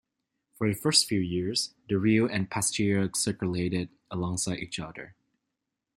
For the first few years, the riel and piastre circulated alongside each other.